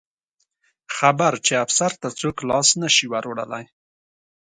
خبر چې افسر ته څوک لاس نه شي وروړلی.